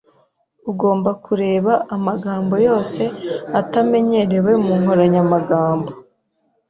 Ugomba kureba amagambo yose atamenyerewe mu nkoranyamagambo.